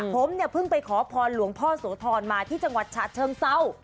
ผมเนี่ยเพิ่งไปขอพรหลวงพ่อโสธรมาที่จังหวัดฉะเชิงเศร้า